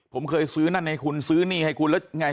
ผมเคยซื้อนั่นให้คุณซื้อนี่ให้คุณแล้วไง